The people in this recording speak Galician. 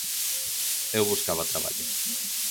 Eu buscaba traballo.